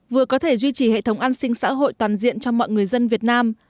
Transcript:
vừa có thể duy trì hệ thống an sinh xã hội toàn diện cho mọi người dân việt nam